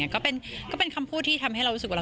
ก็เป็นคำพูดที่ทำให้เรารู้สึกว่า